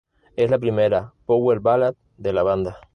Es la primera power ballad de la banda.